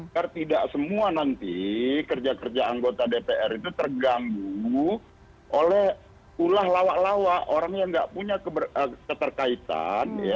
karena tidak semua nanti kerja kerja anggota dpr itu terganggu oleh ulah lawak lawak orang yang enggak punya keterkaitan ya